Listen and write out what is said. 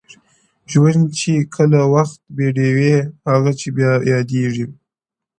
ژوند چي له وخته بې ډېوې; هغه چي بيا ياديږي;